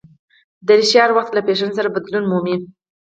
دریشي هر وخت له فېشن سره بدلون مومي.